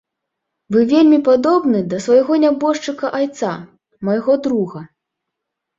Вы вельмі падобны да свайго нябожчыка айца, майго друга.